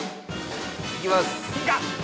いきます。